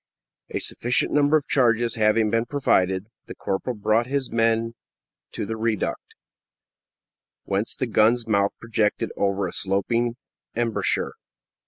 A sufficient number of charges having been provided, the corporal brought his men to the reduct, whence the gun's mouth projected over a sloping embrasure.